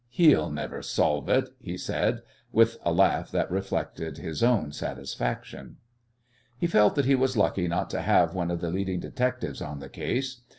"He'll never solve it," he said, with a laugh that reflected his own satisfaction. He felt that he was lucky not to have one of the leading detectives on the case.